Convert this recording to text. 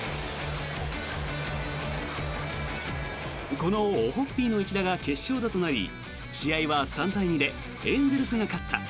このオホッピーの一打が決勝打となり試合は３対２でエンゼルスが勝った。